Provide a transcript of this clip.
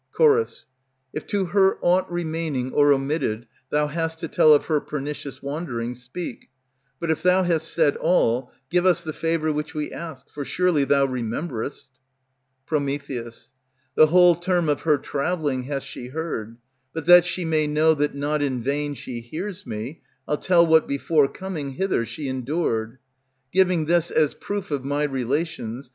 Ch. If to her aught remaining or omitted Thou hast to tell of her pernicious wandering, Speak; but if thou hast said all, give us The favor which we ask, for surely thou remember'st. Pr. The whole term of her traveling has she heard. But that she may know that not in vain she hears me, I'll tell what before coming hither she endured, Giving this as proof of my relations.